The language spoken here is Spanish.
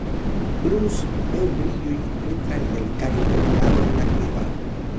Bruce ve un brillo y encuentra el relicario colgado en la cueva.